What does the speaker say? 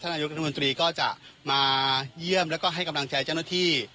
นายกรัฐมนตรีก็จะมาเยี่ยมแล้วก็ให้กำลังใจเจ้าหน้าที่